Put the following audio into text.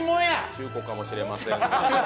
中古かもしれません。